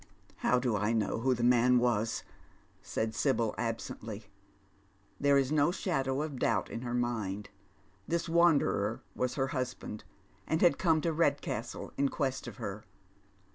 " How do I know who the man was ?" says Sibyl, absently. There is no shadow of doubt in her mind. This wanderer was her husband, who had come to Kedcastle in quest of her.